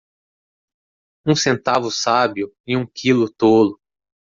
Um centavo sábio e um quilo tolo.